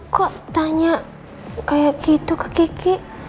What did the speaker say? kok tanya kayak gitu ke kiki